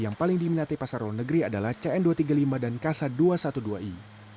yang paling diminati pasar luar negeri adalah cn dua ratus tiga puluh lima dan kasa dua ratus dua belas i